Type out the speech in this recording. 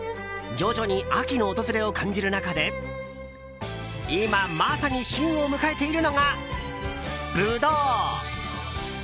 徐々に秋の訪れを感じる中で今、まさに旬を迎えているのがブドウ！